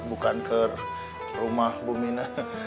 bukan ke rumah bu mina